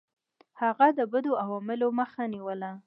هغه د بدو عواملو مخه نیوله.